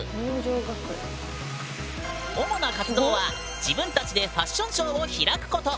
主な活動は自分たちでファッションショーを開くこと。